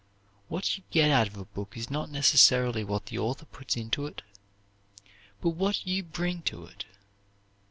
What you get out of a book is not necessarily what the author puts into it, but what you bring to it.